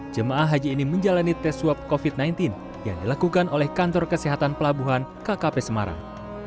jemaah haji ini menjalani tes swab covid sembilan belas yang dilakukan oleh kantor kesehatan pelabuhan kkp semarang